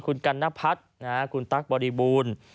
คุณกัณพัฒน์คุณตั๊กบริบูรณ์